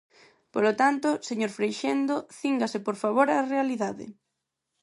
Polo tanto, señor Freixendo, cíngase, por favor, á realidade.